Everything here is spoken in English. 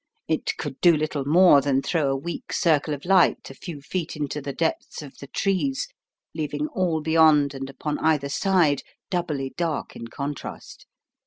It could do little more than throw a weak circle of light a few feet into the depths of the trees leaving all beyond and upon either side doubly dark in con trast.